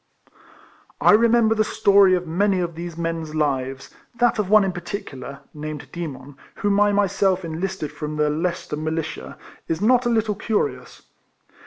I remember the story of many of these men's lives ; that of one in particular, named Demon, whom I myself enlisted from the Leicester Militia, is not a little curious.